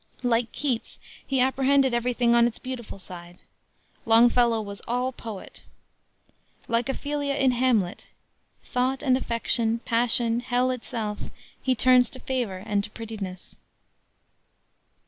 Like Keats, he apprehended every thing on its beautiful side. Longfellow was all poet. Like Ophelia in Hamlet, "Thought and affection, passion, hell itself, He turns to favor and to prettiness."